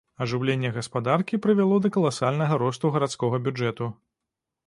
Ажыўленне гаспадаркі прывяло да каласальнага росту гарадскога бюджэту.